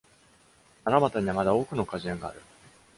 奈良俣には、まだ多くの果樹園がある。